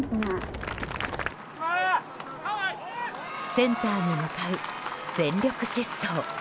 センターに向かう全力疾走。